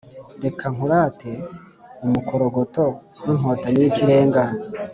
Reka nkurate umukogoto w'Inkotanyi y'ikirenga